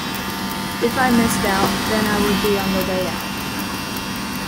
If I missed out then I would be on the way out.